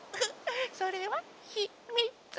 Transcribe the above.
それはひみつ。